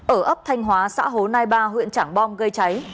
ở ấp thanh hóa xã hồ nai ba huyện trảng bom gây cháy